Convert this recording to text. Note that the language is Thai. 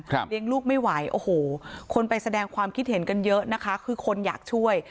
เลี้ยงลูกไม่ไหวโอ้โหคนไปแสดงความคิดเห็นกันเยอะนะคะคือคนอยากช่วย